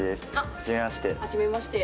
はじめまして。